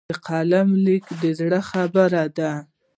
د قلم لیک د زړه خبرې دي.